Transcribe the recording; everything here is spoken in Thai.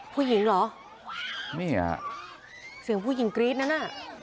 ผู้หญิงเหรอนี่ฮะเสียงผู้หญิงกรี๊ดนั้นน่ะ